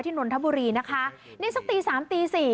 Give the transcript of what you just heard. นนทบุรีนะคะนี่สักตีสามตีสี่